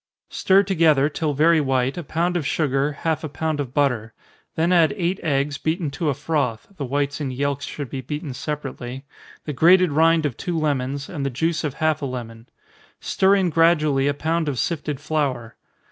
_ Stir together, till very white, a pound of sugar, half a pound of butter then add eight eggs, beaten to a froth, (the whites and yelks should be beaten separately,) the grated rind of two lemons, and the juice of half a lemon. Stir in gradually a pound of sifted flour.